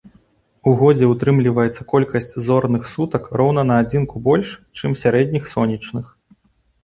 У годзе ўтрымліваецца колькасць зорных сутак роўна на адзінку больш, чым сярэдніх сонечных.